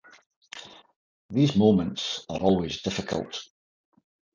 These moments are always difficult.